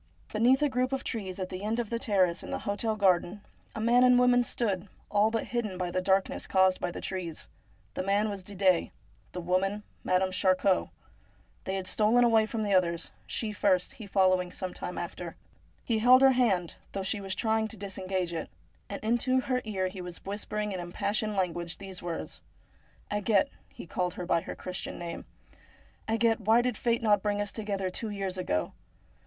Beneath a group of trees at the end of the terrace in the hotel garden, a man and a woman stood, all but hidden by the darkness caused by the trees. The man was Didet ; the woman Madame Charcot. They had stolen away from the others, she first, he following 298 STORIES WEIRD AND WONDERFUL some time after. He held lier hand, though she was trying to disengage it ; and into her ear he was whispering in im passioned language these words: 'Agathe,' he called her by her Christian name, ' Agathe, why did Fate not bring us together years ago